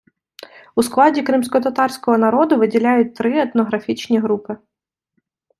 У складі кримськотатарського народу виділяють три етнографічні групи.